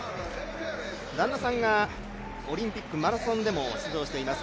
旦那さんがオリンピックマラソンでも出場しています。